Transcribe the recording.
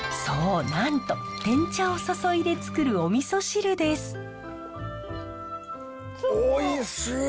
そうなんとてん茶を注いでつくるおみそ汁です。